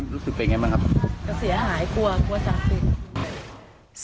รู้สึกเป็นยังไงบ้างครับก็เสียหายกลัวกลัวสาธิต